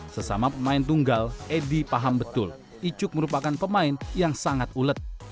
sesama pemain tunggal edi paham betul icuk merupakan pemain yang sangat ulet